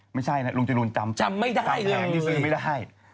ไม่ใช่นะลุงจรูนจำแผงที่ซื้อไม่ได้